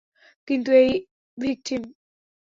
কিন্তু এই ভিকটিম!